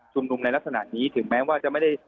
ในลักษณะนี้ถึงแม้ว่าจะไม่ได้